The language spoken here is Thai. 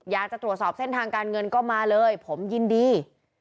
อยากจะตรวจสอบเส้นทางการเงินก็มาเลยผมยินดี